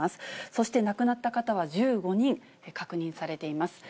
そして亡くなった方は１５人確認されています。